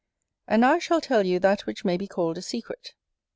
And now I shall tell you that which may be called a secret.